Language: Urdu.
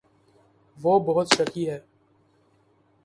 وہ بہت شکی ہے۔